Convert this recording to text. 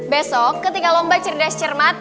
besok ketika lomba cerdas cermat